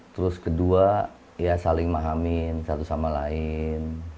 terus kedua ya saling mahamin satu sama lain